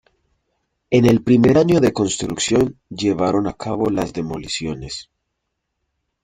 En el primer año de construcción llevaron a cabo las demoliciones.